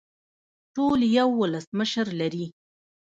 ټول یو ولسمشر لري